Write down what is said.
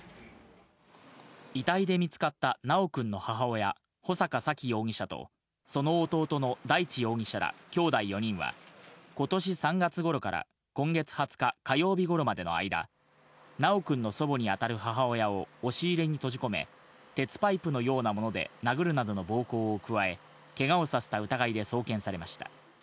遺体で見つかった修くんの母親、穂坂沙喜容疑者と、その弟の大地容疑者らきょうだい４人は、ことし３月ごろから、今月２０日火曜日ごろまでの間、修くんの祖母にあたる母親を押し入れに閉じ込め、鉄パイプのようなもので殴るなどの暴行を加え、けがをさせた疑いで送検されました。